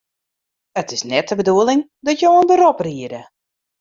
It is net de bedoeling dat je in berop riede.